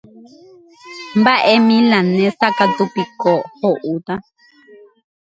Mbaʼe milanesa katu piko hoʼúta.